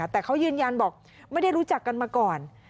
แต่เขายืนยันบอกไม่ได้รู้จักกันมาก่อน